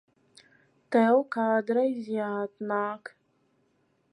Tev kādreiz jāatnāk.